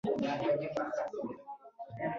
د پښتونخوا اوسیدونکي باید د خپلواکۍ لپاره کوښښ وکړي